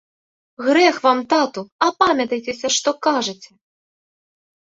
Грэх вам, тату, апамятайцеся, што кажаце.